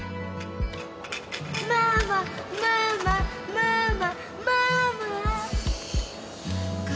ママママママママ。